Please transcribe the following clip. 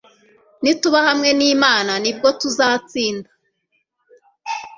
Nituba hamwe n’Imana ni bwo tuzatsinda